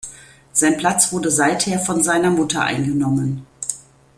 Sein Platz wurde seither von seiner Mutter eingenommen.